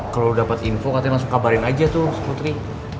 kalau lo dapet info katanya langsung kabarin aja tuh si putri